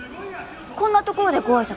こんなところでご挨拶？